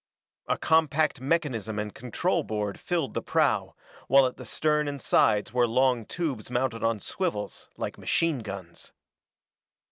A compact mechanism and control board filled the prow, while at the stern and sides were long tubes mounted on swivels like machine guns.